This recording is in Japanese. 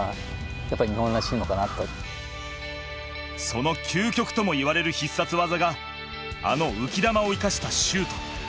その究極ともいわれる必殺技があの浮き球を生かしたシュート。